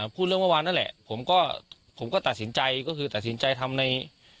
พูดเรื่องเมื่อวานนั่นแหละผมก็ผมก็ตัดสินใจก็คือตัดสินใจทำใน